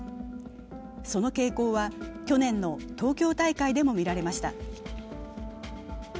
その傾向は去年の東京大会でも見られました。